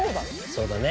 そうだね。